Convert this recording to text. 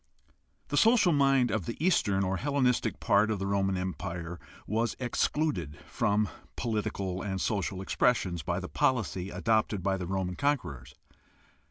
The social mind of the eastern or Hellenistic part of the Roman Empire was excluded from political and social expres sions by the policy adopted by the Roman conquerors.